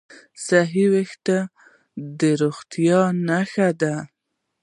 صحي وېښتيان د روغتیا نښه ده.